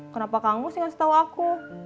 kenapa kang mus yang ngasih tau aku